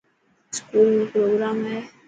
اسڪول ۾ پروگرام هي.